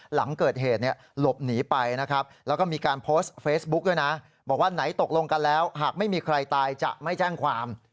หลังเกิดเหตุหลบหนีไปนะครับแล้วก็มีการโพสต์เฟซบุ๊กด้วยนะบอกว่าไหนตกลงกันแล้วหากไม่มีใครตายจะไม่แจ้งความ